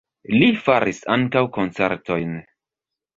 Li faris ankaŭ koncertojn.